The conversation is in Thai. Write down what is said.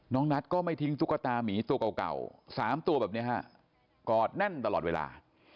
นัทก็ไม่ทิ้งตุ๊กตามีตัวเก่า๓ตัวแบบนี้ฮะกอดแน่นตลอดเวลา